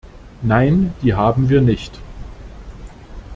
Nein, die haben wir nicht.